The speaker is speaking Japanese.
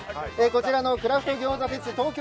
こちらのクラフト餃子フェス